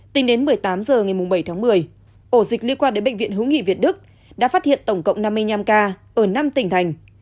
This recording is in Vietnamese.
tính đến một mươi tám h ngày bảy tháng một mươi ổ dịch liên quan đến bệnh viện hữu nghị việt đức đã phát hiện tổng cộng năm mươi năm ca ở năm tỉnh thành